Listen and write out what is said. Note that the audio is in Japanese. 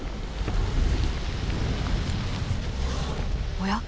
おや？